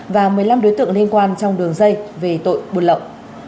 và một mươi năm đối tượng liên quan trong đường dây về tội buôn lậu